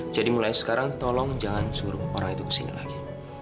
jadi mulai sekarang tolong jangan suruh orang itu kesini lagi